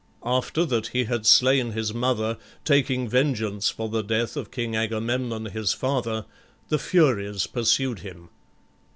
After that he had slain his mother, taking vengeance for the death of King Agamemnon his father, the Furies pursued him.